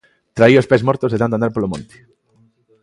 Traía os pés mortos de tanto andar polo monte.